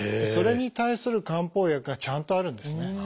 それに対する漢方薬がちゃんとあるんですね。